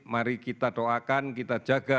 mari kita doakan kita jaga